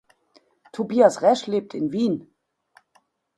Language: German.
Tobias Resch lebt in Wien.